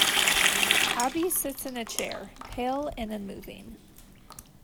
Abbie sits in a chair, pale and unmoving.